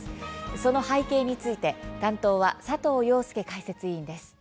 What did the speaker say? その背景について担当は佐藤庸介解説委員です。